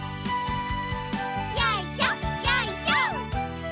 よいしょよいしょ。